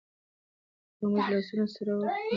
که موږ لاسونه سره ورکړو نو وطن ابادېږي.